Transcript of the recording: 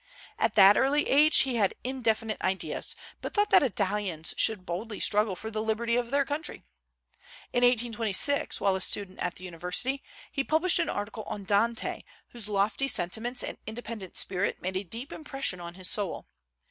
At that early age he had indefinite ideas, but thought that Italians should boldly struggle for the liberty of their country. In 1826, while a student at the university, he published an article on Dante, whose lofty sentiments and independent spirit made a deep impression on his soul.